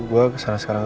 gue kesana sekarang ya